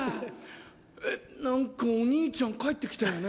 えっ何かお兄ちゃん帰って来たよね？